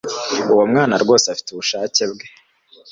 Uwo mwana rwose afite ubushake bwe